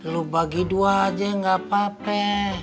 lo bagi dua aja gak apa apa